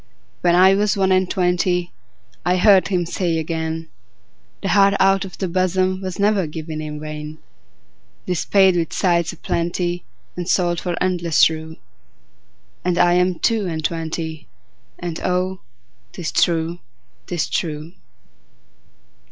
When I was one and twentyI heard him say again,'The heart out of the bosomWas never given in vain;'Tis paid with sighs a plentyAnd sold for endless rue.'And I am two and twenty, And oh, 'tis true, 'tis true.